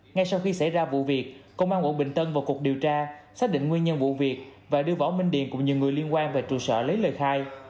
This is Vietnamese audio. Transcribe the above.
ngay sau khi xảy ra vụ việc công an quận bình tân vào cuộc điều tra xác định nguyên nhân vụ việc và đưa võ minh điền cùng nhiều người liên quan về trụ sở lấy lời khai